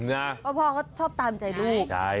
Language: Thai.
นะคะว่าพ่อก็ชอบตามใจลูกใช่